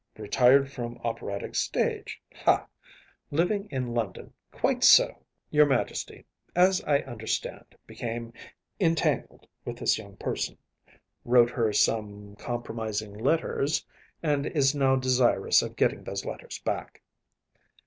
Retired from operatic stage‚ÄĒha! Living in London‚ÄĒquite so! Your Majesty, as I understand, became entangled with this young person, wrote her some compromising letters, and is now desirous of getting those letters back.